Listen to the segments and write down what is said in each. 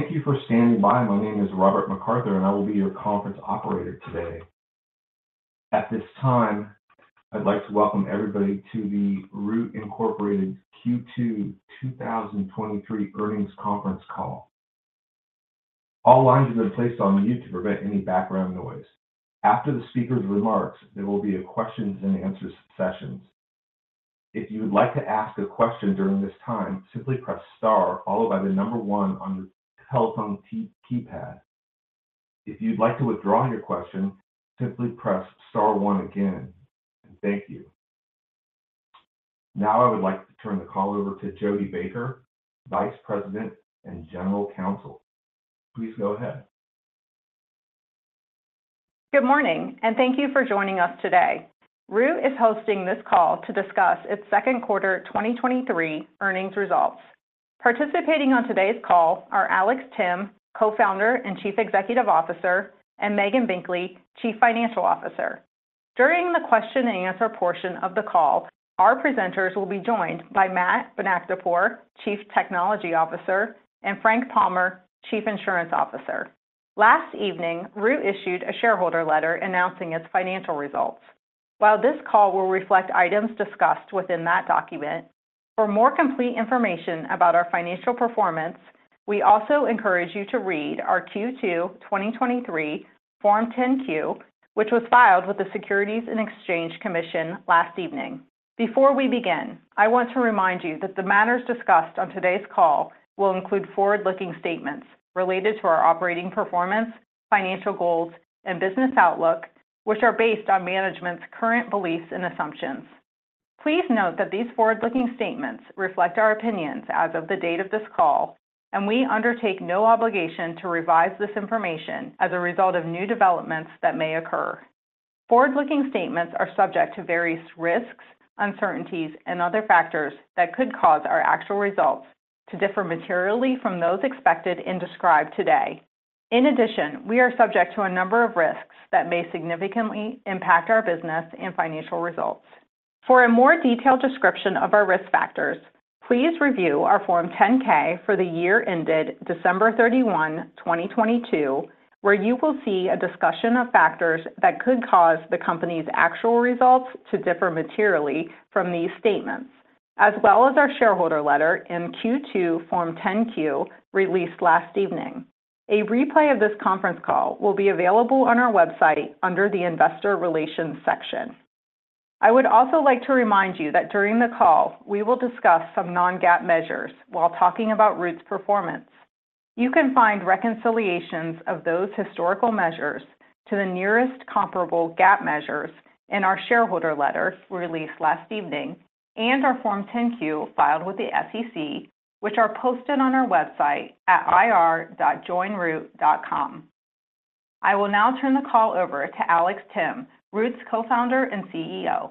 Thank you for standing by. My name is Robert McArthur, and I will be your conference operator today. At this time, I'd like to welcome everybody to the Root, Inc. Q2 2023 Earnings Conference Call. All lines have been placed on mute to prevent any background noise. After the speaker's remarks, there will be a questions and answer sessions. If you would like to ask a question during this time, simply press star followed by one on your telephone key, keypad. If you'd like to withdraw your question, simply press star 1 again. Thank you. Now I would like to turn the call over to Jodi Baker, Vice President and General Counsel. Please go ahead. Good morning, and thank you for joining us today. Root is hosting this call to discuss its second quarter 2023 earnings results. Participating on today's call are Alex Timm, Co-Founder and Chief Executive Officer, and Megan Binkley, Chief Financial Officer. During the question and answer portion of the call, our presenters will be joined by Matt Bonakdarpour, Chief Technology Officer, and Frank Palmer, Chief Insurance Officer. Last evening, Root issued a shareholder letter announcing its financial results. While this call will reflect items discussed within that document, for more complete information about our financial performance, we also encourage you to read our Q2 2023 Form 10-Q, which was filed with the Securities and Exchange Commission last evening. Before we begin, I want to remind you that the matters discussed on today's call will include forward-looking statements related to our operating performance, financial goals, and business outlook, which are based on management's current beliefs and assumptions. Please note that these forward-looking statements reflect our opinions as of the date of this call, and we undertake no obligation to revise this information as a result of new developments that may occur. Forward-looking statements are subject to various risks, uncertainties, and other factors that could cause our actual results to differ materially from those expected and described today. In addition, we are subject to a number of risks that may significantly impact our business and financial results. For a more detailed description of our risk factors, please review our Form 10-K for the year ended December 31, 2022, where you will see a discussion of factors that could cause the company's actual results to differ materially from these statements, as well as our shareholder letter in Q2 Form 10-Q, released last evening. A replay of this conference call will be available on our website under the Investor Relations section. I would also like to remind you that during the call, we will discuss some non-GAAP measures while talking about Root's performance. You can find reconciliations of those historical measures to the nearest comparable GAAP measures in our shareholder letter released last evening and our Form 10-Q filed with the SEC, which are posted on our website at ir.joinroot.com. I will now turn the call over to Alex Timm, Root's Co-founder and CEO.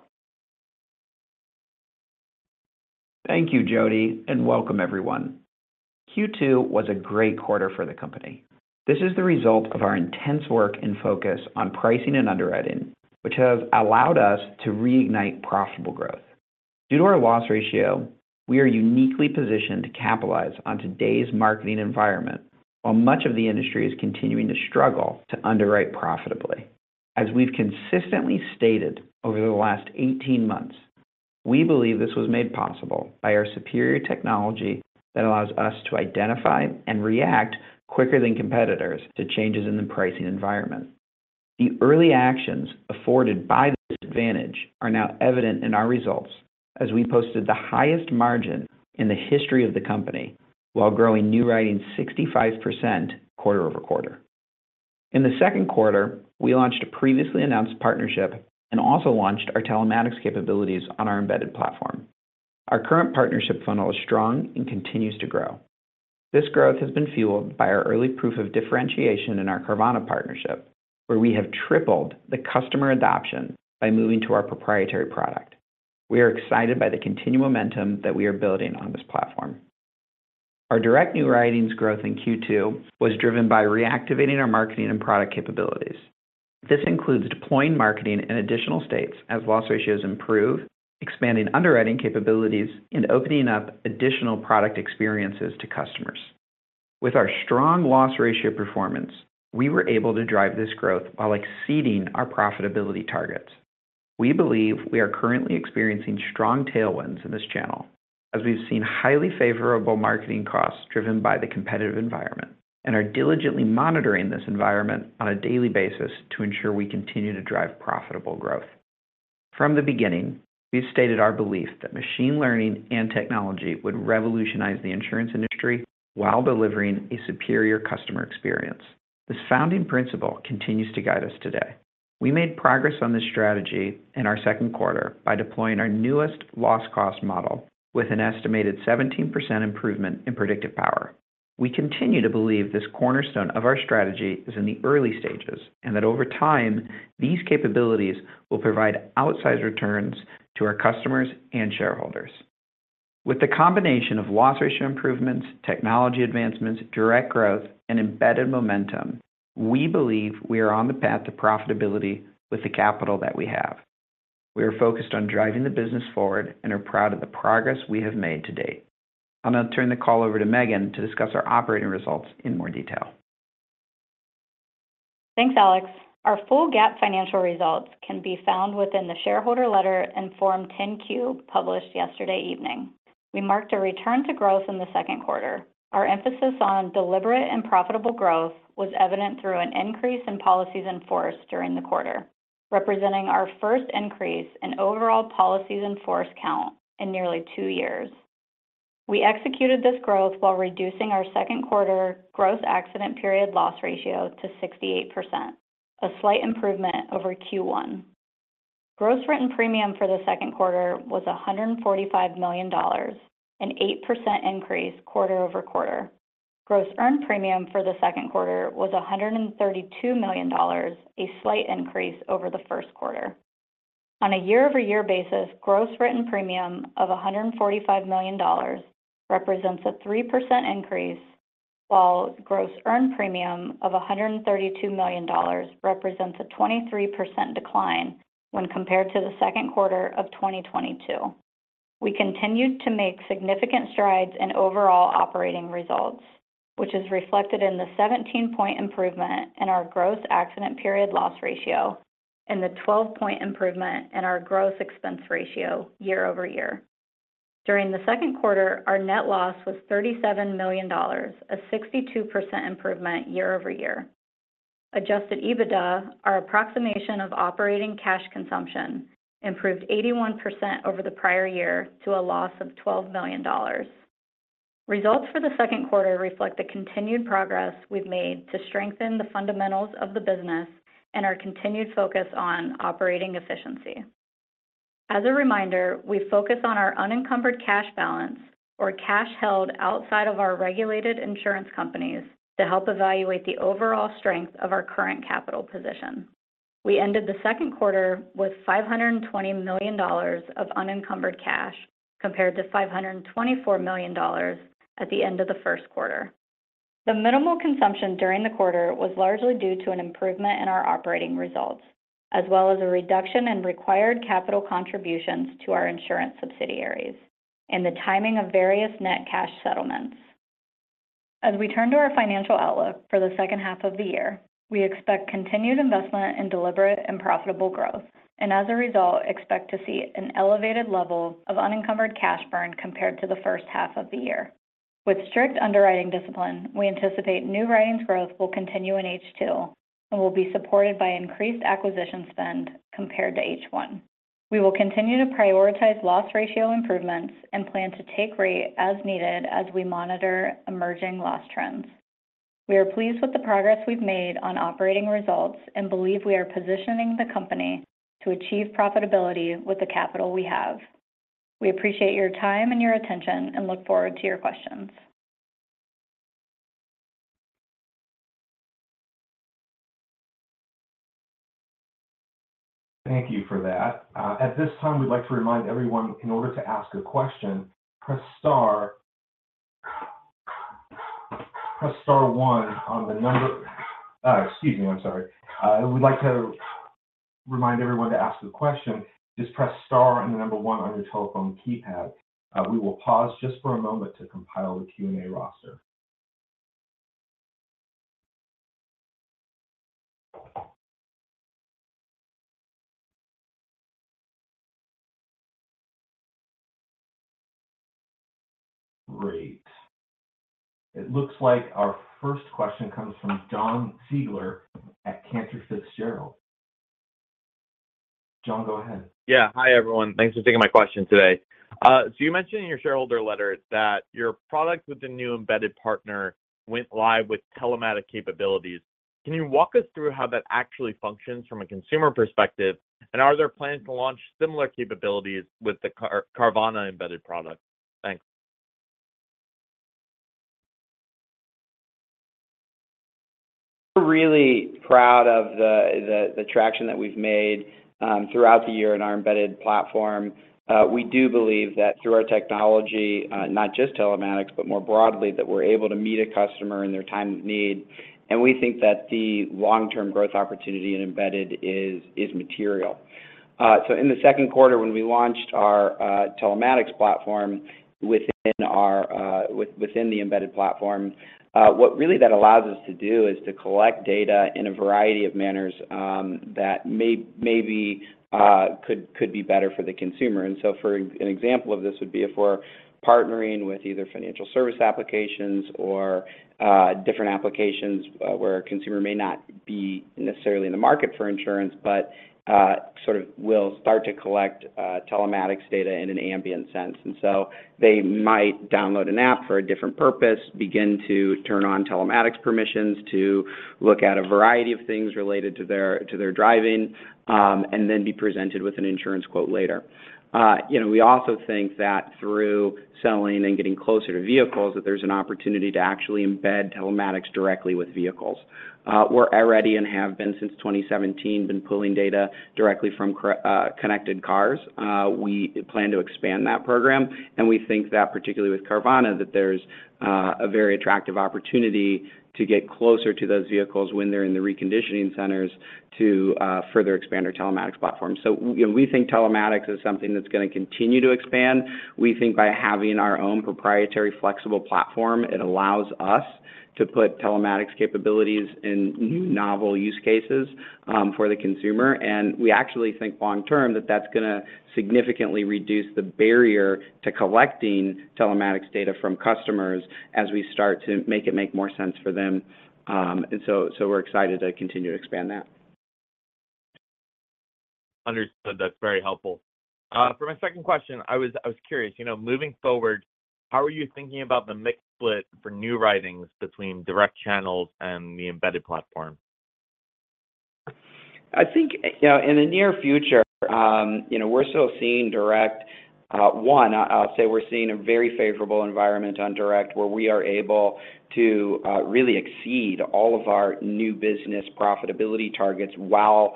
Thank you, Jodi, and welcome everyone. Q2 was a great quarter for the company. This is the result of our intense work and focus on pricing and underwriting, which has allowed us to reignite profitable growth. Due to our loss ratio, we are uniquely positioned to capitalize on today's marketing environment, while much of the industry is continuing to struggle to underwrite profitably. As we've consistently stated over the last 18 months, we believe this was made possible by our superior technology that allows us to identify and react quicker than competitors to changes in the pricing environment. The early actions afforded by this advantage are now evident in our results as we posted the highest margin in the history of the company, while growing new writing 65% quarter-over-quarter. In the second quarter, we launched a previously announced partnership and also launched our telematics capabilities on our embedded platform. Our current partnership funnel is strong and continues to grow. This growth has been fueled by our early proof of differentiation in our Carvana partnership, where we have tripled the customer adoption by moving to our proprietary product. We are excited by the continued momentum that we are building on this platform. Our direct new writings growth in Q2 was driven by reactivating our marketing and product capabilities. This includes deploying marketing in additional states as loss ratios improve, expanding underwriting capabilities, and opening up additional product experiences to customers. With our strong loss ratio performance, we were able to drive this growth while exceeding our profitability targets. We believe we are currently experiencing strong tailwinds in this channel as we've seen highly favorable marketing costs driven by the competitive environment and are diligently monitoring this environment on a daily basis to ensure we continue to drive profitable growth. From the beginning, we've stated our belief that machine learning and technology would revolutionize the insurance industry while delivering a superior customer experience. This founding principle continues to guide us today. We made progress on this strategy in our second quarter by deploying our newest loss cost model with an estimated 17% improvement in predictive power. We continue to believe this cornerstone of our strategy is in the early stages, and that over time, these capabilities will provide outsized returns to our customers and shareholders. With the combination of loss ratio improvements, technology advancements, direct growth, and embedded momentum, we believe we are on the path to profitability with the capital that we have. We are focused on driving the business forward and are proud of the progress we have made to date. I'll now turn the call over to Megan to discuss our operating results in more detail. Thanks, Alex. Our full GAAP financial results can be found within the shareholder letter and Form 10-Q, published yesterday evening. We marked a return to growth in the second quarter. Our emphasis on deliberate and profitable growth was evident through an increase in policies in force during the quarter, representing our first increase in overall policies in force count in nearly two years. We executed this growth while reducing our second quarter gross accident period loss ratio to 68%, a slight improvement over Q1. Gross written premium for the second quarter was $145 million, an 8% increase quarter-over-quarter. Gross earned premium for the second quarter was $132 million, a slight increase over the first quarter. On a year-over-year basis, gross written premium of $145 million represents a 3% increase, while gross earned premium of $132 million represents a 23% decline when compared to the second quarter of 2022. We continued to make significant strides in overall operating results, which is reflected in the 17-point improvement in our gross accident period loss ratio and the 12-point improvement in our gross expense ratio year-over-year. During the second quarter, our net loss was $37 million, a 62% improvement year-over-year. Adjusted EBITDA, our approximation of operating cash consumption, improved 81% over the prior year to a loss of $12 million. Results for the second quarter reflect the continued progress we've made to strengthen the fundamentals of the business and our continued focus on operating efficiency. As a reminder, we focus on our unencumbered cash balance, or cash held outside of our regulated insurance companies, to help evaluate the overall strength of our current capital position. We ended the second quarter with $520 million of unencumbered cash, compared to $524 million at the end of the first quarter. The minimal consumption during the quarter was largely due to an improvement in our operating results, as well as a reduction in required capital contributions to our insurance subsidiaries and the timing of various net cash settlements. As we turn to our financial outlook for the second half of the year, we expect continued investment in deliberate and profitable growth, and as a result, expect to see an elevated level of unencumbered cash burn compared to the first half of the year. With strict underwriting discipline, we anticipate new writings growth will continue in H2 and will be supported by increased acquisition spend compared to H1. We will continue to prioritize loss ratio improvements and plan to take rate as needed as we monitor emerging loss trends. We are pleased with the progress we've made on operating results and believe we are positioning the company to achieve profitability with the capital we have. We appreciate your time and your attention and look forward to your questions. Thank you for that. At this time, we'd like to remind everyone, in order to ask a question, press star one on the excuse me, I'm sorry. We'd like to remind everyone to ask the question, just press star and the number one on your telephone keypad. We will pause just for a moment to compile the Q&A roster. Great. It looks like our first question comes from Josh Siegler at Cantor Fitzgerald. Josh, go ahead. Yeah. Hi, everyone. Thanks for taking my question today. You mentioned in your shareholder letter that your product with the new embedded partner went live with telematic capabilities. Can you walk us through how that actually functions from a consumer perspective? Are there plans to launch similar capabilities with the Carvana embedded product? Thanks. Really proud of the, the, the traction that we've made throughout the year in our embedded platform. We do believe that through our technology, not just telematics, but more broadly, that we're able to meet a customer in their time of need, and we think that the long-term growth opportunity in embedded is, is material. In the second quarter, when we launched our telematics platform within the embedded platform, what really that allows us to do is to collect data in a variety of manners that maybe could be better for the consumer. For an example of this would be if we're partnering with either financial service applications or different applications, where a consumer may not be necessarily in the market for insurance, but sort of will start to collect telematics data in an ambient sense. They might download an app for a different purpose, begin to turn on telematics permissions to look at a variety of things related to their, to their driving, and then be presented with an insurance quote later. You know, we also think that through selling and getting closer to vehicles, that there's an opportunity to actually embed telematics directly with vehicles. We're already, and have been since 2017, been pulling data directly from car, connected cars. We plan to expand that program, and we think that particularly with Carvana, that there's a very attractive opportunity to get closer to those vehicles when they're in the reconditioning centers to further expand our telematics platform. We think telematics is something that's going to continue to expand. We think by having our own proprietary flexible platform, it allows us to put telematics capabilities in novel use cases for the consumer. We actually think long term that that's going to significantly reduce the barrier to collecting telematics data from customers as we start to make it make more sense for them. So we're excited to continue to expand that. Understood. That's very helpful. For my second question, I was curious, you know, moving forward, how are you thinking about the mix split for new writings between direct channels and the embedded platform? I think, you know, in the near future, you know, we're still seeing direct, one, I'll say we're seeing a very favorable environment on direct, where we are able to really exceed all of our new business profitability targets while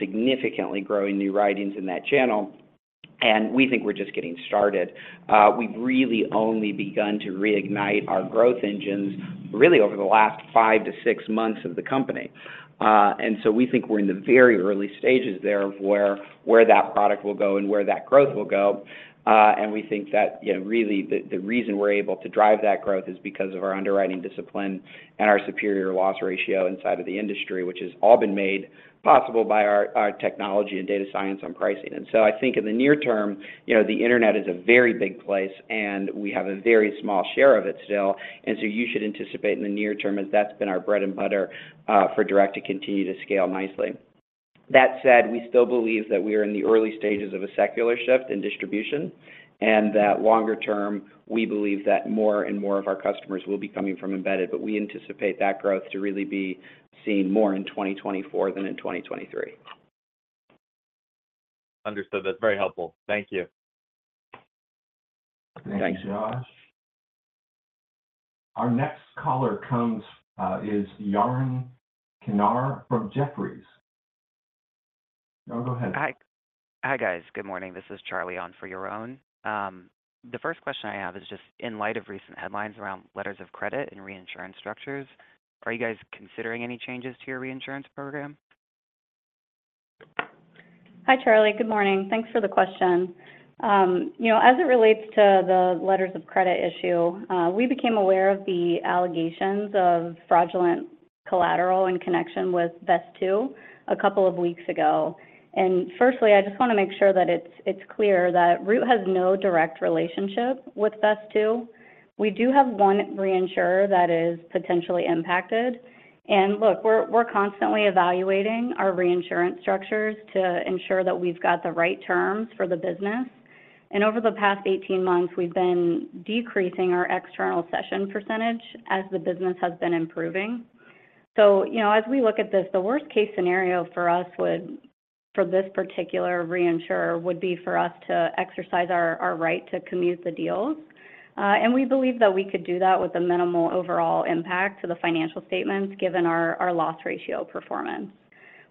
significantly growing new writings in that channel, and we think we're just getting started. We've really only begun to reignite our growth engines really over the last five to six months of the company. So we think we're in the very early stages there of where, where that product will go and where that growth will go. We think that, you know, really, the reason we're able to drive that growth is because of our underwriting discipline and our superior loss ratio inside of the industry, which has all been made possible by our technology and data science on pricing. I think in the near term, you know, the internet is a very big place, and we have a very small share of it still. You should anticipate in the near term, as that's been our bread and butter, for direct to continue to scale nicely. That said, we still believe that we are in the early stages of a secular shift in distribution, and that longer term, we believe that more and more of our customers will be coming from embedded. We anticipate that growth to really be seen more in 2024 than in 2023. Understood. That's very helpful. Thank you. Thanks, Josh. Our next caller comes, is Yaron Kinar from Jefferies. Yaron, go ahead. Hi. Hi, guys. Good morning. This is Charlie on for Yaron. The first question I have is just in light of recent headlines around letters of credit and reinsurance structures, are you guys considering any changes to your reinsurance program? Hi, Charlie. Good morning. Thanks for the question. you know, as it relates to the letters of credit issue, we became aware of the allegations of fraudulent collateral in connection with Vesttoo 2 weeks ago. Firstly, I just want to make sure that it's clear that Root has no direct relationship with Vesttoo. We do have one reinsurer that is potentially impacted. Look, we're constantly evaluating our reinsurance structures to ensure that we've got the right terms for the business. Over the past 18 months, we've been decreasing our external cession percentage as the business has been improving. you know, as we look at this, the worst-case scenario for us would, for this particular reinsurer, would be for us to exercise our right to commute the deals. We believe that we could do that with a minimal overall impact to the financial statements, given our, our loss ratio performance.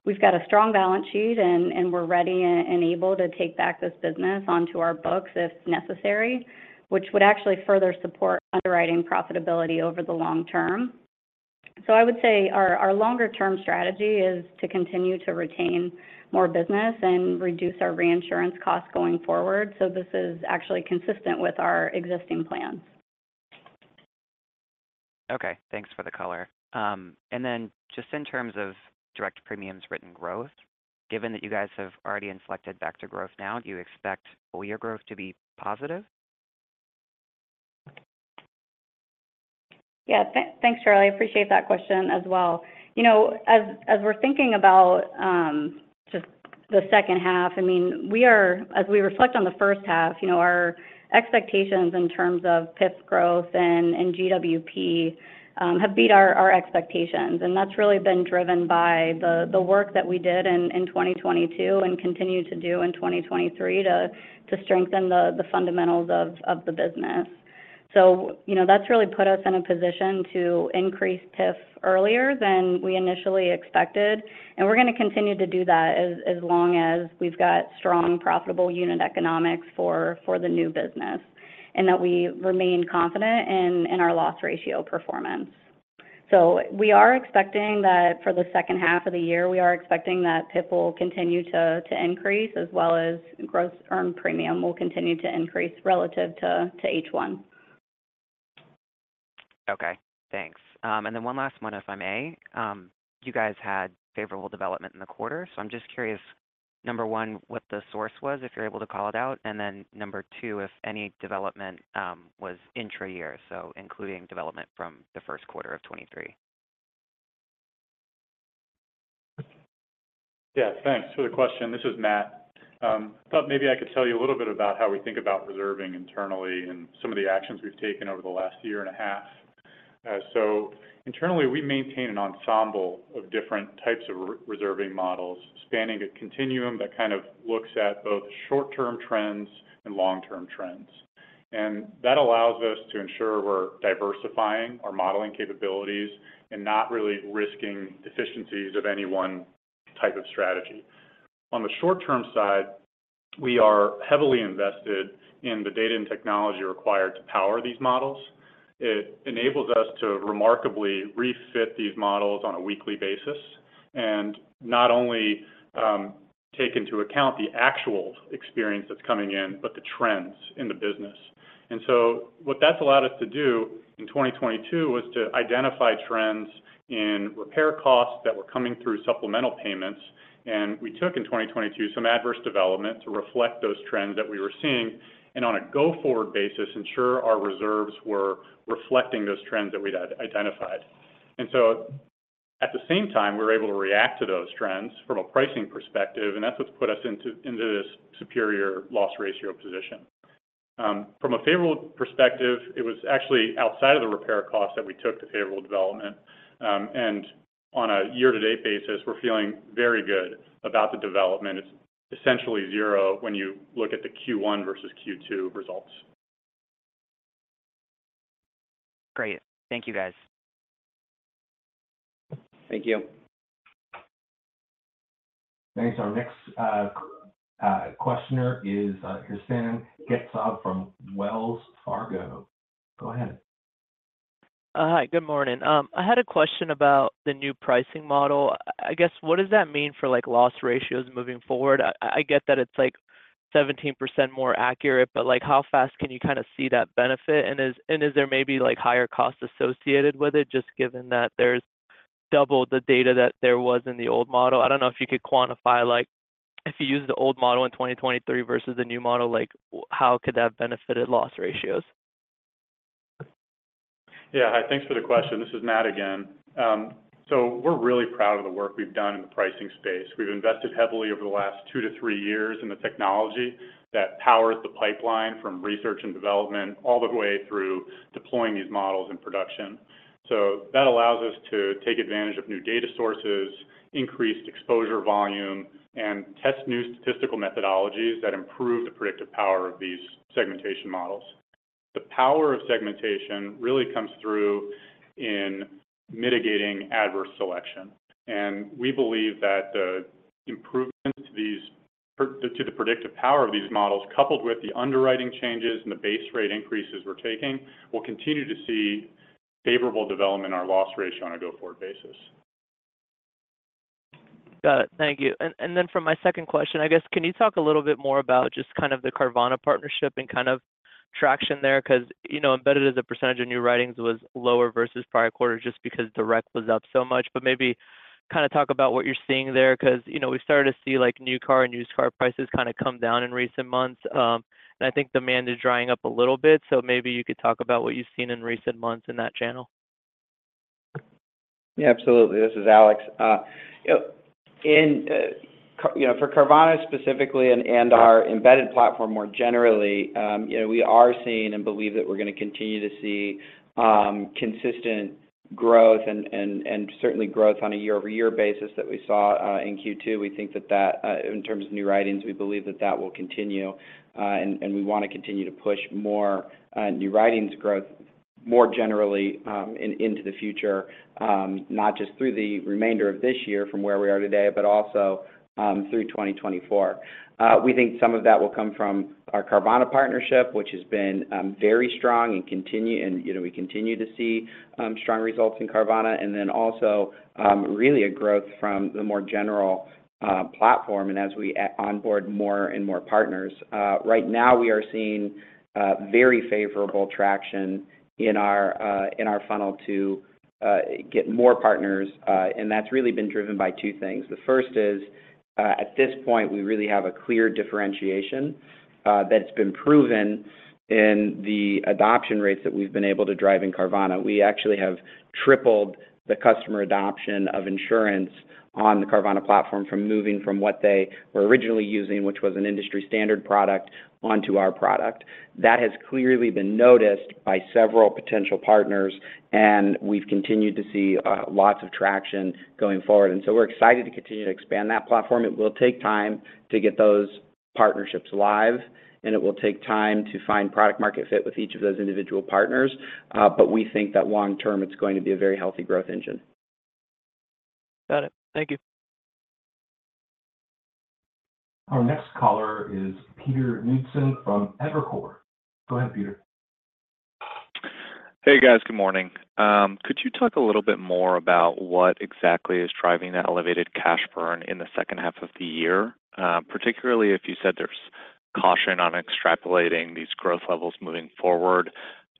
We've got a strong balance sheet, and, and we're ready and, and able to take back this business onto our books if necessary, which would actually further support underwriting profitability over the long term. I would say our, our longer term strategy is to continue to retain more business and reduce our reinsurance costs going forward. This is actually consistent with our existing plans. Okay, thanks for the color. Just in terms of direct premiums written growth, given that you guys have already inflected back to growth now, do you expect full year growth to be positive? Yeah. Thanks, Charlie. I appreciate that question as well. You know, as, as we're thinking about, just the second half, I mean, as we reflect on the first half, you know, our expectations in terms of PIF growth and, and GWP have beat our, our expectations, and that's really been driven by the, the work that we did in, in 2022 and continue to do in 2023 to, to strengthen the, the fundamentals of, of the business. You know, that's really put us in a position to increase PIF earlier than we initially expected, and we're going to continue to do that as, as long as we've got strong, profitable unit economics for, for the new business, and that we remain confident in, in our loss ratio performance. We are expecting that for the second half of the year, we are expecting that PIF will continue to, to increase, as well as gross earned premium will continue to increase relative to, to H1. Okay, thanks. One last one, if I may. You guys had favorable development in the quarter, I'm just curious, number 1, what the source was, if you're able to call it out, and then number 2, if any development, was intra-year, including development from the first quarter of 2023. Yeah. Thanks for the question. This is Matt. Thought maybe I could tell you a little bit about how we think about reserving internally and some of the actions we've taken over the last year and a half. Internally, we maintain an ensemble of different types of reserving models, spanning a continuum that kind of looks at both short-term trends and long-term trends. That allows us to ensure we're diversifying our modeling capabilities and not really risking deficiencies of any one type of strategy. On the short-term side, we are heavily invested in the data and technology required to power these models. It enables us to remarkably refit these models on a weekly basis, not only take into account the actual experience that's coming in, but the trends in the business. What that's allowed us to do in 2022, was to identify trends in repair costs that were coming through supplemental payments. We took in 2022, some adverse development to reflect those trends that we were seeing, and on a go-forward basis, ensure our reserves were reflecting those trends that we'd identified. At the same time, we were able to react to those trends from a pricing perspective, and that's what's put us into, into this superior loss ratio position. From a favorable perspective, it was actually outside of the repair cost that we took to favorable development. On a year-to-date basis, we're feeling very good about the development. It's essentially 0 when you look at the Q1 versus Q2 results. Great. Thank you, guys. Thank you. Thanks. Our next questioner is Hristian Getsov from Wells Fargo. Go ahead. Hi. Good morning. I had a question about the new pricing model. I guess, what does that mean for, like, loss ratios moving forward? I get that it's, like, 17% more accurate, but, like, how fast can you kinda see that benefit? Is there maybe, like, higher costs associated with it, just given that there's double the data that there was in the old model? I don't know if you could quantify, like, if you use the old model in 2023 versus the new model, like, how could that benefit loss ratios? Hi, thanks for the question. This is Matt again. We're really proud of the work we've done in the pricing space. We've invested heavily over the last two to three years in the technology that powers the pipeline from research and development, all the way through deploying these models in production. That allows us to take advantage of new data sources, increased exposure volume, and test new statistical methodologies that improve the predictive power of these segmentation models. The power of segmentation really comes through in mitigating adverse selection, and we believe that the improvements to these to the predictive power of these models, coupled with the underwriting changes and the base rate increases we're taking, will continue to see favorable development in our loss ratio on a go-forward basis. Got it. Thank you. Then for my second question, I guess, can you talk a little bit more about just kind of the Carvana partnership and kind of traction there? 'Cause, you know, embedded as a percentage of new writings was lower versus prior quarters, just because direct was up so much. Maybe kind of talk about what you're seeing there, 'cause, you know, we've started to see, like, new car and used car prices kind of come down in recent months. I think demand is drying up a little bit, so maybe you could talk about what you've seen in recent months in that channel. Yeah, absolutely. This is Alex. You know, in, you know, for Carvana specifically and, and our embedded platform more generally, you know, we are seeing and believe that we're gonna continue to see consistent growth and, and, and certainly growth on a year-over-year basis that we saw in Q2. We think that that in terms of new writings, we believe that that will continue, and, and we wanna continue to push more new writings growth more generally in, into the future, not just through the remainder of this year from where we are today, but also through 2024. We think some of that will come from our Carvana partnership, which has been very strong, and you know, we continue to see strong results in Carvana, and then also really a growth from the more general platform as we onboard more and more partners. Right now, we are seeing very favorable traction in our in our funnel to get more partners, and that's really been driven by two things. The first is, at this point, we really have a clear differentiation that's been proven in the adoption rates that we've been able to drive in Carvana. We actually have tripled the customer adoption of insurance on the Carvana platform from moving from what they were originally using, which was an industry-standard product, onto our product. That has clearly been noticed by several potential partners, and we've continued to see, lots of traction going forward. We're excited to continue to expand that platform. It will take time to get those partnerships live, and it will take time to find product market fit with each of those individual partners, but we think that long term, it's going to be a very healthy growth engine. Got it. Thank you. Our next caller is Peter Phipson from Evercore. Go ahead, Peter. Hey, guys. Good morning. Could you talk a little bit more about what exactly is driving that elevated cash burn in the second half of the year? Particularly if you said there's caution on extrapolating these growth levels moving forward,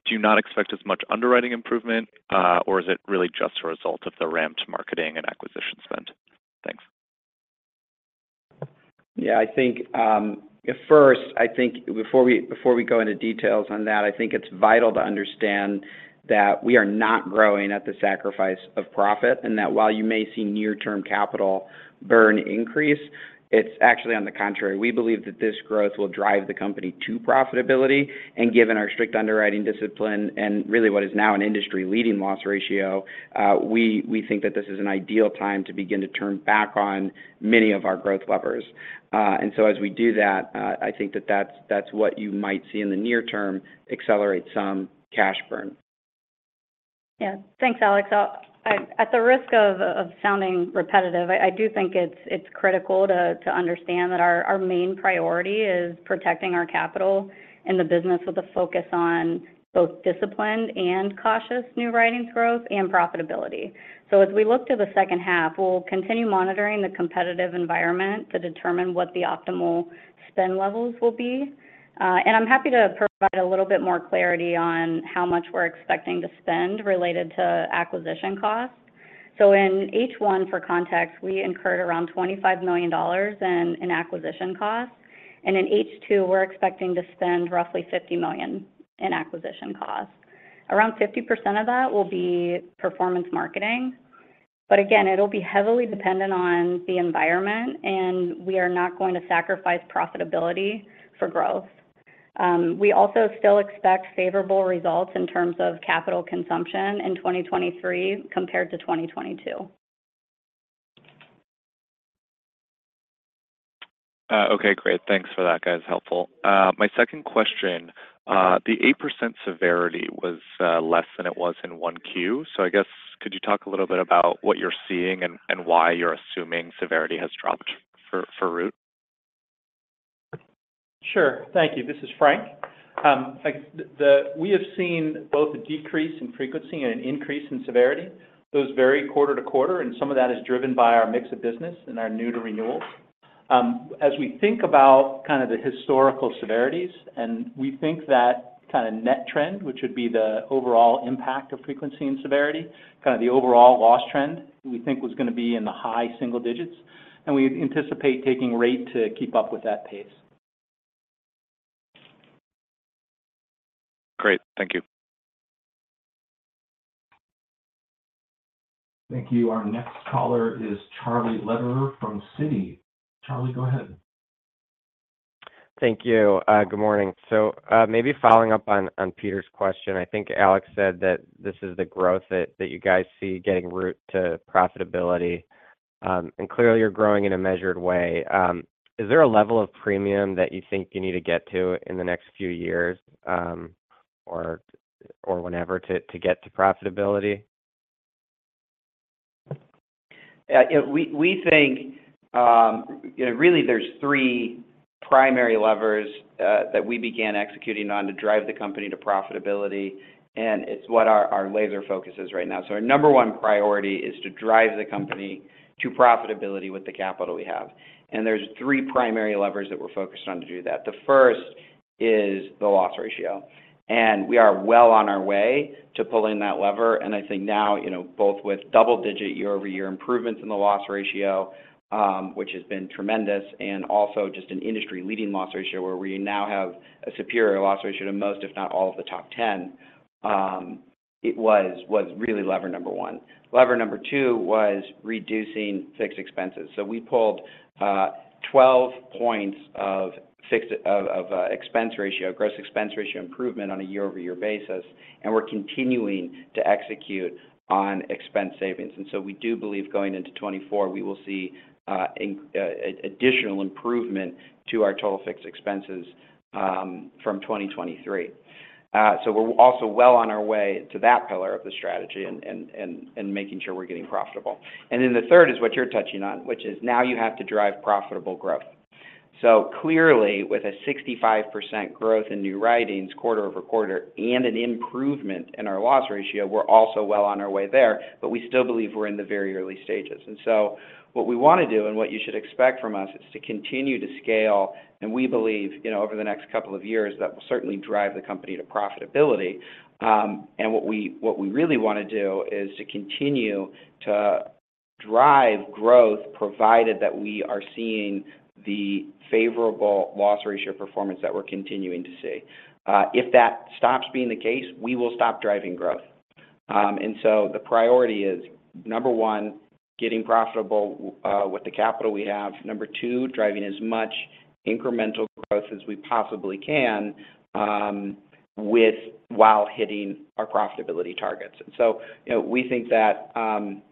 do you not expect as much underwriting improvement, or is it really just a result of the ramped marketing and acquisition spend? Thanks. Yeah, I think, at first, I think before we, before we go into details on that, I think it's vital to understand that we are not growing at the sacrifice of profit, and that while you may see near-term capital burn increase, it's actually on the contrary. We believe that this growth will drive the company to profitability, and given our strict underwriting discipline and really what is now an industry-leading loss ratio, we, we think that this is an ideal time to begin to turn back on many of our growth levers. As we do that, I think that that's, that's what you might see in the near term, accelerate some cash burn. Yeah, thanks, Alex. I, at the risk of, of sounding repetitive, I, I do think it's, it's critical to, to understand that our, our main priority is protecting our capital and the business with a focus on both disciplined and cautious new writing growth and profitability. As we look to the second half, we'll continue monitoring the competitive environment to determine what the optimal spend levels will be. I'm happy to provide a little bit more clarity on how much we're expecting to spend related to acquisition costs. In H1, for context, we incurred around $25 million in, in acquisition costs, and in H2, we're expecting to spend roughly $50 million in acquisition costs. Around 50% of that will be performance marketing, but again, it'll be heavily dependent on the environment, and we are not going to sacrifice profitability for growth. We also still expect favorable results in terms of capital consumption in 2023 compared to 2022. Okay, great. Thanks for that, guys. Helpful. My second question, the 8% severity was less than it was in 1Q. I guess could you talk a little bit about what you're seeing and, and why you're assuming severity has dropped for Root? Sure. Thank you. This is Frank. Like, we have seen both a decrease in frequency and an increase in severity. Those vary quarter to quarter, and some of that is driven by our mix of business and our new to renewals. As we think about kind of the historical severities, and we think that kind of net trend, which would be the overall impact of frequency and severity, kind of the overall loss trend, we think was going to be in the high single digits, and we anticipate taking rate to keep up with that pace. Great. Thank you. Thank you. Our next caller is Charlie Lederer from Citi. Charlie, go ahead. Thank you. Good morning. Maybe following up on, on Peter's question, I think Alex said that this is the growth that, that you guys see getting Root to profitability, and clearly you're growing in a measured way. Is there a level of premium that you think you need to get to in the next few years, or, or whenever to, to get to profitability? Yeah, we, we think, you know, really there's three primary levers, that we began executing on to drive the company to profitability, and it's what our, our laser focus is right now. Our number one priority is to drive the company to profitability with the capital we have. There's three primary levers that we're focused on to do that. The first is the loss ratio, and we are well on our way to pulling that lever. I think now, you know, both with double-digit year-over-year improvements in the loss ratio, which has been tremendous, and also just an industry-leading loss ratio, where we now have a superior loss ratio to most, if not all, of the top 10, it was, was really lever number one. Lever number two was reducing fixed expenses. We pulled 12 points of expense ratio, gross expense ratio improvement on a year-over-year basis, we're continuing to execute on expense savings. We do believe going into 2024, we will see additional improvement to our total fixed expenses from 2023. We're also well on our way to that pillar of the strategy and making sure we're getting profitable. The third is what you're touching on, which is now you have to drive profitable growth. Clearly, with a 65% growth in new writings quarter-over-quarter and an improvement in our loss ratio, we're also well on our way there, we still believe we're in the very early stages. What we want to do, and what you should expect from us, is to continue to scale, and we believe, you know, over the next couple of years, that will certainly drive the company to profitability. What we, what we really want to do is to continue to drive growth, provided that we are seeing the favorable loss ratio performance that we're continuing to see. If that stops being the case, we will stop driving growth. The priority is, number one, getting profitable with the capital we have. Number two, driving as much incremental growth as we possibly can, while hitting our profitability targets. So, you know, we think that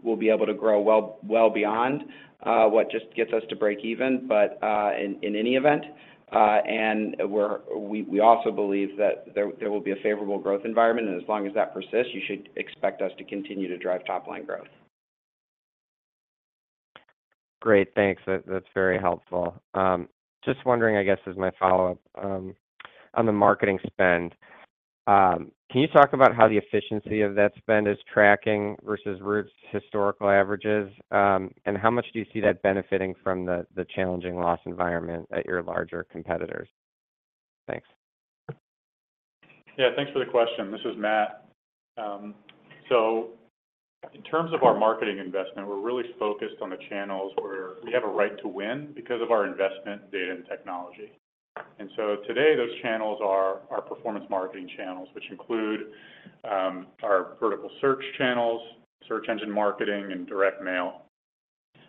we'll be able to grow well, well beyond what just gets us to break even, but in any event, and we also believe that there will be a favorable growth environment, and as long as that persists, you should expect us to continue to drive top-line growth. Great. Thanks. That, that's very helpful. Just wondering, I guess as my follow-up, on the marketing spend, can you talk about how the efficiency of that spend is tracking versus Root's historical averages? How much do you see that benefiting from the, the challenging loss environment at your larger competitors? Thanks. Yeah, thanks for the question. This is Matt. In terms of our marketing investment, we're really focused on the channels where we have a right to win because of our investment data and technology. Today, those channels are our performance marketing channels, which include, our vertical search channels, search engine marketing, and direct mail.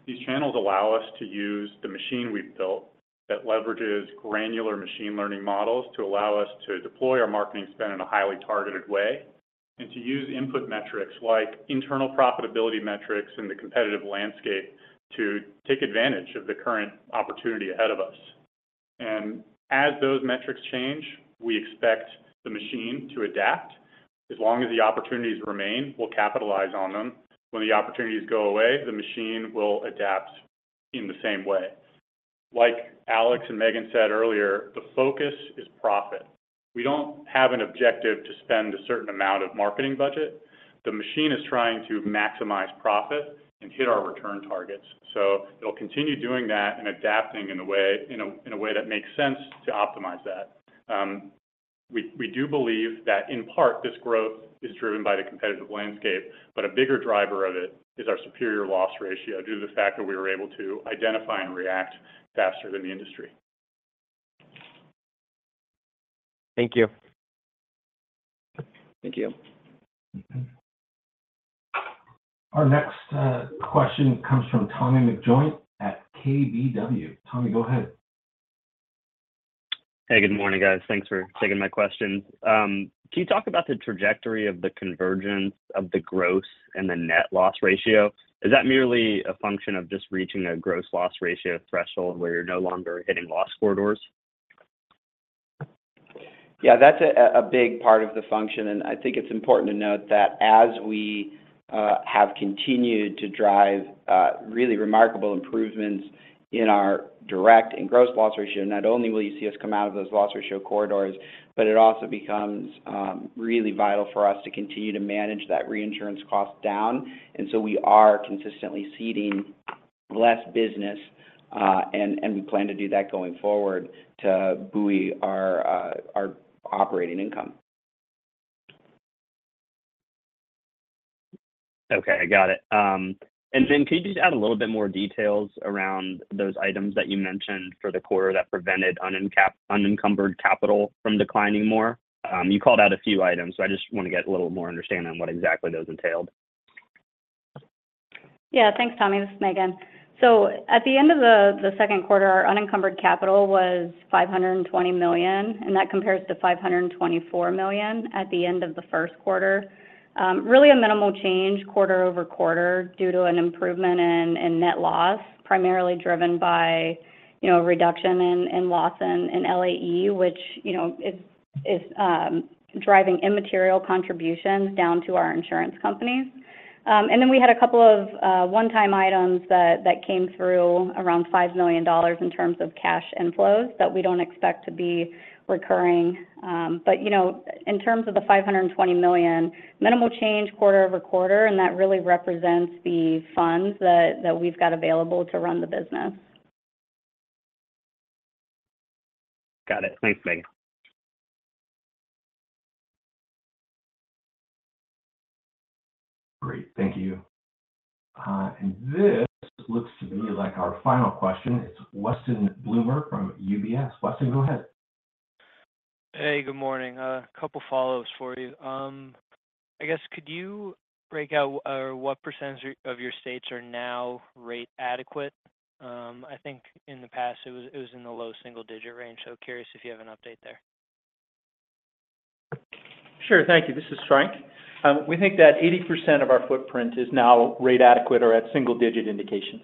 These channels allow us to use the machine we've built that leverages granular machine learning models to allow us to deploy our marketing spend in a highly targeted way, to use input metrics like internal profitability metrics in the competitive landscape to take advantage of the current opportunity ahead of us. As those metrics change, we expect the machine to adapt. As long as the opportunities remain, we'll capitalize on them. When the opportunities go away, the machine will adapt in the same way. Like Alex and Megan said earlier, the focus is profit. We don't have an objective to spend a certain amount of marketing budget. The machine is trying to maximize profit and hit our return targets. It'll continue doing that and adapting in a way that makes sense to optimize that. We do believe that in part, this growth is driven by the competitive landscape, but a bigger driver of it is our superior loss ratio, due to the fact that we were able to identify and react faster than the industry. Thank you. Thank you. Our next question comes from Tommy McJoynt at KBW. Tommy, go ahead. Hey, good morning, guys. Thanks for taking my questions. Can you talk about the trajectory of the convergence of the growth and the net loss ratio? Is that merely a function of just reaching a gross loss ratio threshold, where you're no longer hitting loss corridors? Yeah, that's a big part of the function, I think it's important to note that as we have continued to drive really remarkable improvements in our direct and gross loss ratio, not only will you see us come out of those loss ratio corridors, it also becomes really vital for us to continue to manage that reinsurance cost down. We are consistently ceding less business, and we plan to do that going forward to buoy our operating income. Okay, I got it. Could you just add a little bit more details around those items that you mentioned for the quarter that prevented unencumbered capital from declining more? You called out a few items, so I just want to get a little more understanding on what exactly those entailed. Yeah. Thanks, Tommy. This is Megan. At the end of the second quarter, our unencumbered capital was $520 million, and that compares to $524 million at the end of the first quarter. Really a minimal change quarter-over-quarter due to an improvement in net loss, primarily driven by, you know, reduction in loss in LAE, which, you know, is, is driving immaterial contributions down to our insurance companies. We had a couple of one-time items that came through, around $5 million in terms of cash inflows that we don't expect to be recurring. You know, in terms of the $520 million, minimal change quarter-over-quarter, and that really represents the funds that we've got available to run the business. Got it. Thanks, Megan. Great. Thank you. This looks to me like our final question. It's Weston Bloomer from UBS. Weston, go ahead. Hey, good morning. A couple follows for you. I guess, could you break out or what percentage of your states are now rate adequate? I think in the past, it was in the low single-digit range, so curious if you have an update there. Sure. Thank you. This is Frank. We think that 80% of our footprint is now rate adequate or at single-digit indications.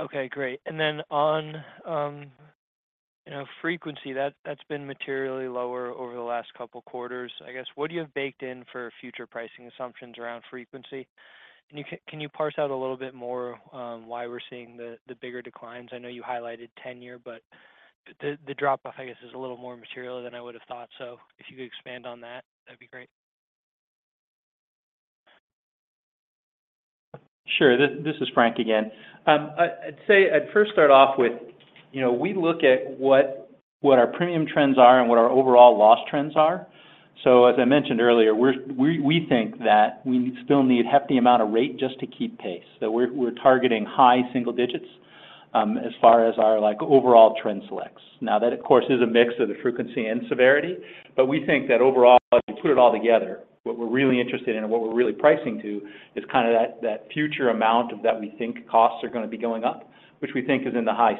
Okay, great. Then on, you know, frequency, that's been materially lower over the last couple quarters. I guess, what do you have baked in for future pricing assumptions around frequency? Can you parse out a little bit more, why we're seeing the, the bigger declines? I know you highlighted tenure, but the, the drop-off, I guess, is a little more material than I would have thought. If you could expand on that, that'd be great. Sure. This is Frank again. I'd say I'd first start off with, you know, we look at what our premium trends are and what our overall loss trends are. As I mentioned earlier, we think that we still need a hefty amount of rate just to keep pace. That we're targeting high single digits, as far as our, like, overall trend selects. Now, that, of course, is a mix of the frequency and severity, but we think that overall, if you put it all together, what we're really interested in and what we're really pricing to is kind of that, that future amount that we think costs are going to be going up, which we think is in the high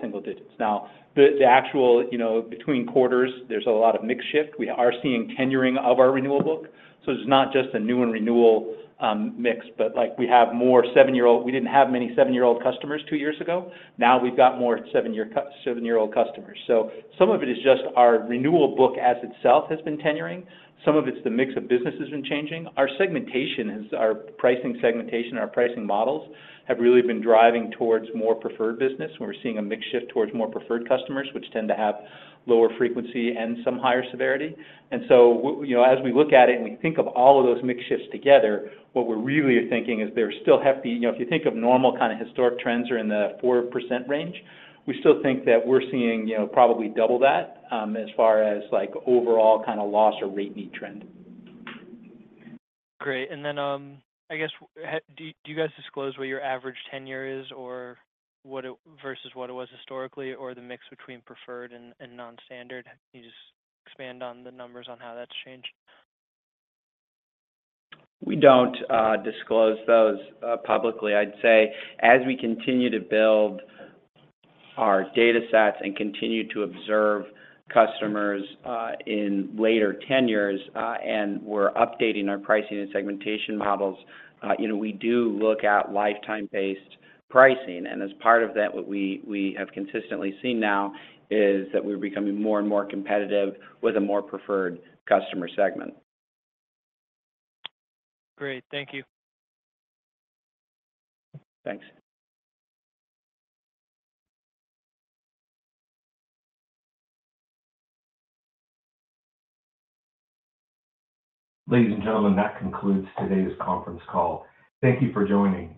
single digits. Now, the actual, you know, between quarters, there's a lot of mix shift. We are seeing tenuring of our renewal book. It's not just a new and renewal, mix, but like, we have more seven-year-old. We didn't have many seven-year-old customers two years ago. Now, we've got more seven-year-old customers. Some of it is just our renewal book as itself has been tenuring. Some of it's the mix of business has been changing. Our segmentation. Our pricing segmentation, our pricing models, have really been driving towards more preferred business, where we're seeing a mix shift towards more preferred customers, which tend to have lower frequency and some higher severity. You know, as we look at it and we think of all of those mix shifts together, what we're really thinking is there's still hefty. You know, if you think of normal kind of historic trends are in the 4% range, we still think that we're seeing, you know, probably double that, as far as, like, overall kind of loss or rate need trend. Great. I guess, do you guys disclose what your average tenure is or what it versus what it was historically, or the mix between preferred and non-standard? Can you just expand on the numbers on how that's changed? We don't disclose those publicly. I'd say, as we continue to build our data sets and continue to observe customers in later tenures, and we're updating our pricing and segmentation models, you know, we do look at lifetime-based pricing. As part of that, what we, we have consistently seen now is that we're becoming more and more competitive with a more preferred customer segment. Great. Thank you. Thanks. Ladies and gentlemen, that concludes today's conference call. Thank you for joining.